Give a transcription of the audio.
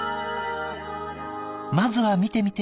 まずは見てみて！